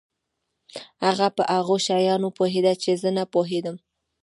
هغه په هغو شیانو پوهېده چې زه نه په پوهېدم.